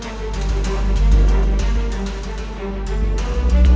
aku akan membuatmu mati